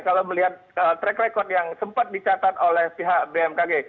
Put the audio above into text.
kalau melihat track record yang sempat dicatat oleh pihak bmkg